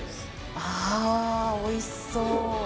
あおいしそう！